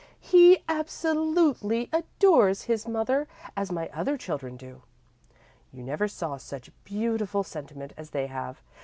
He absolutely adores his mother, as my other children do. You never saw such beautiful sentiment as they have.